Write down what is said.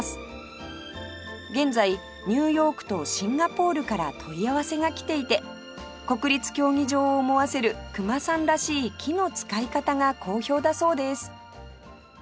現在ニューヨークとシンガポールから問い合わせが来ていて国立競技場を思わせる隈さんらしい木の使い方が好評だそうです